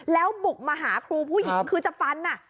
แล้วบุกมาหาครูผู้หญิงคือจะฟัน